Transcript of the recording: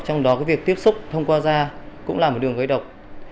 trong đó việc tiếp xúc thông qua da cũng là một đường gây độc